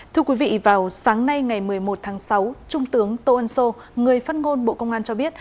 thưa quý vị vào sáng nay ngày một mươi một tháng sáu trung tướng tô ân sô người phát ngôn bộ công an cho biết